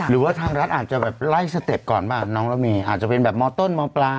หรือว่าทางรัฐอาจจะไล่ส์สเต็บก่อนอาจจะแบบมต้นมปลา